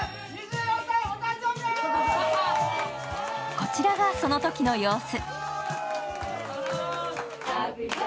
こちらがそのときの様子。